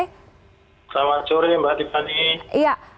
selamat sore mbak adipani